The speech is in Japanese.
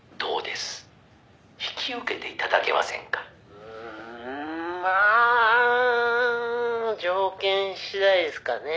「うーんまあ条件次第ですかねえ」